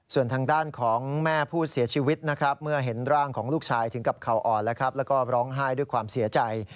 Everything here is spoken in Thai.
ส่วนทางด้านของแม่ผู้เสียชีวิตนะครับเมื่อเห็นร่างของลูกชายถึงกับเขาอ่อนแล้วก็ร้องไห้ด้วยความเสียใจ